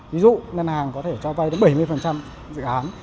ví dụ ngân hàng có thể cho vay đến bảy mươi dự án